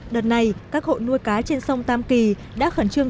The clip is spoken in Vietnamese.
đợt này các hộ nuôi cá trên sông tam kỳ đã khẩn trương